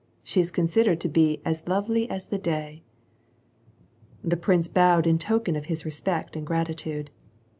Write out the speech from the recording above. She is considered to be as lovely as the day." t The prince bowed in token of his respect and gratitude.